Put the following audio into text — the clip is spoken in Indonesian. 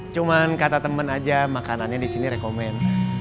cuman kata temen aja makanannya disini rekomen